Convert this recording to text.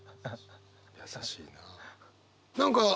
優しいなあ。